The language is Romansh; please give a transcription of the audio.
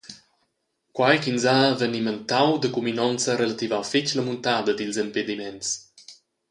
Quei ch’ins ha evenimentau da cuminonza ha relativau fetg la muntada dils impediments.